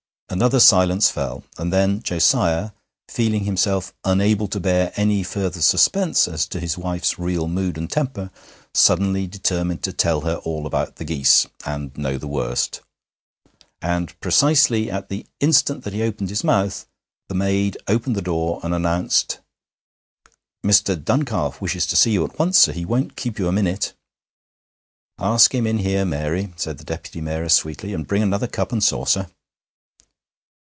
Another silence fell, and then Josiah, feeling himself unable to bear any further suspense as to his wife's real mood and temper, suddenly determined to tell her all about the geese, and know the worst. And precisely at the instant that he opened his mouth, the maid opened the door and announced: 'Mr. Duncalf wishes to see you at once, sir. He won't keep you a minute.' 'Ask him in here, Mary,' said the Deputy Mayoress sweetly; 'and bring another cup and saucer.'